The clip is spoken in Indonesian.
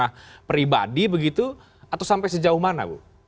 nah pribadi begitu atau sampai sejauh mana bu